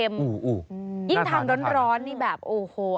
ยิ่งทานร้อนนี่แบบโอ้โห